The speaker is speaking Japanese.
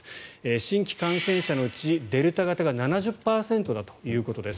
新規感染者のうちデルタ型が７０％だということです。